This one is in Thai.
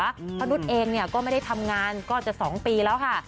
เพราะหนุฏเองก็ไม่ได้ทำงานนี่ก็อันแต่๒ปีแล้วค่ะ